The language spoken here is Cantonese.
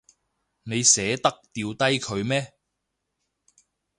你捨得掉低佢咩？